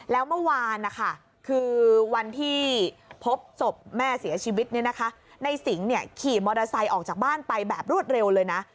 แล้วเมื่อวานนะคะคือวันที่พบศพแม่เสียชีวิตในสิงขี่มอเตอร์ไซค์ออกจากบ้านไปแบบรวดเร็วเลยนะ